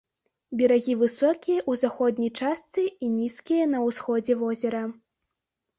Берагі высокія ў заходняй частцы і нізкія на ўсходзе возера.